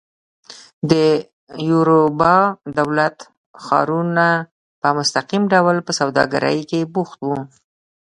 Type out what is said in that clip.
د یوروبا دولت ښارونه په مستقیم ډول په سوداګرۍ کې بوخت وو.